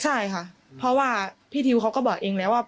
ใช่ค่ะเพราะว่าพี่ทิวเขาก็บอกเองแล้วว่า